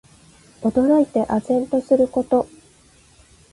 驚いて呆然とすること。